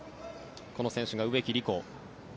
この選手が植木理子。